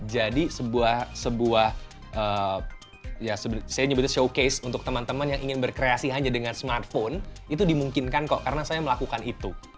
jadi sebuah sebuah ya saya nyebutnya showcase untuk teman teman yang ingin berkreasi hanya dengan smartphone itu dimungkinkan kok karena saya melakukan itu